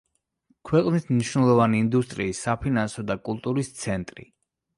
ქვეყნის მნიშვნელოვანი ინდუსტრიის, საფინანსო და კულტურის ცენტრი.